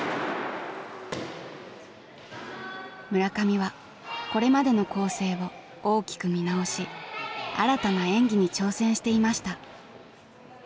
村上はこれまでの構成を大きく見直し新たな演技に挑戦していました。